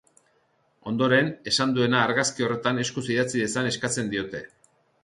Ondoren, esan duena argazki horretan eskuz idatz dezan eskatzen diote.